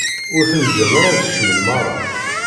Ur ten-ǧǧan ara ad kecmen merra.